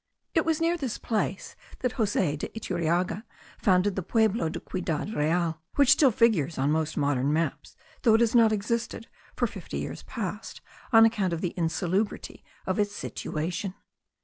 It was near this place that Jose de Iturriaga founded the Pueblo de Ciudad Real, which still figures on the most modern maps, though it has not existed for fifty years past, on account of the insalubrity of its situation.